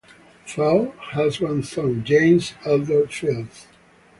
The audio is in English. Fields has one son, James Elder Fields.